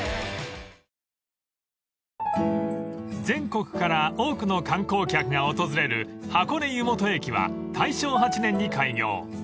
［全国から多くの観光客が訪れる箱根湯本駅は大正８年に開業］